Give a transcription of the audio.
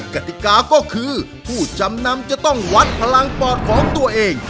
กติกาก็คือผู้จำนำจะต้องวัดพลังปอดของตัวเอง